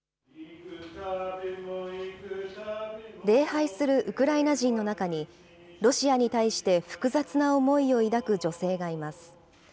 礼拝するウクライナ人たちの中に、ロシアに対して複雑な思いを抱く女性がいます。